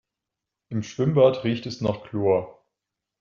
Im Schwimmbad riecht es nach Chlor.